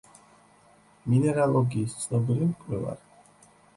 მინერალოგიის ცნობილი მკვლევარი.